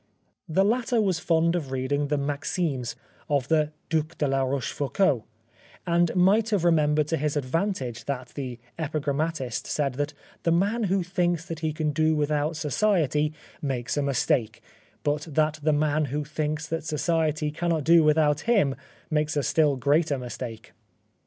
The latter was fond of reading the " Maximes " of the Due de la Rochefoucault, and might have remembered to his advantage that the epigrammatist said that the man who thinks that he can do without society makes a mistake, but that the man who thinks that society cannot do without him makes a still greater mistake.